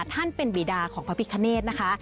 ท่านเป็นบีดาของพระพิคเนธนะคะ